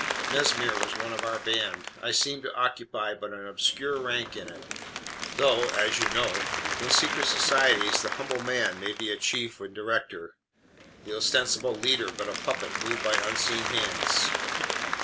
Mesmer was one of our band. I seemed to occupy but an obscure rank in it: though, as you know, in secret societies the humble man may be a chief and director the ostensible leader but a puppet moved by unseen hands.